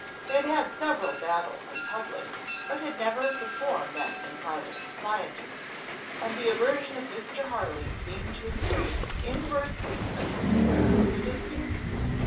They had had several battles in public, but had never before met in private society, and the aversion of Mr. Harley seemed to increase inversely as the squares of the distance.